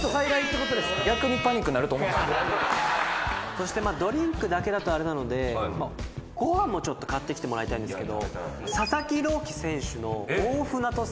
そしてドリンクだけだとあれなのでご飯もちょっと買ってきてもらいたいんですけど。